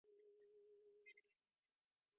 ފާމަސިސްޓުން ބޭނުންވެއްޖެ